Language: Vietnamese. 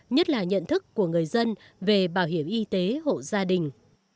nhất là nhận thức của người dân về bảo hiểm y tế hộ gia đình